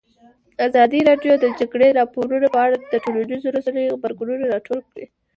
ازادي راډیو د د جګړې راپورونه په اړه د ټولنیزو رسنیو غبرګونونه راټول کړي.